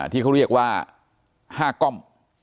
ที่เขาเรียกว่า๕กล้อง